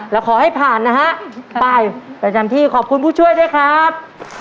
แล้วขอให้ผ่านนะฮะไปประจำที่ขอบคุณผู้ช่วยด้วยครับ